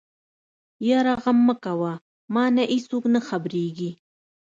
يره غم مکوه مانه ايڅوک نه خبرېږي.